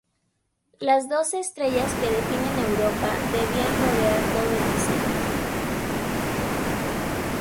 Las doce estrellas que definen Europa debían rodear todo el diseño.